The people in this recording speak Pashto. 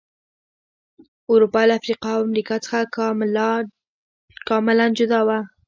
اروپا له افریقا او امریکا څخه کاملا جلا و.